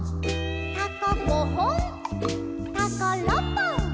「タコごほん」「タコろっぽん」